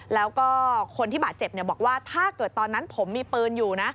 แล้วคนที่บาดเจ็บก็บอกว่าถ้าเกิดผมมีปืนอยู่